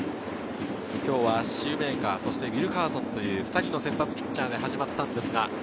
今日はシューメーカーとウィルカーソンという２人の先発ピッチャーで始まりました。